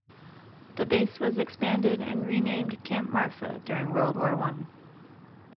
The base was expanded and renamed Camp Marfa during World War One.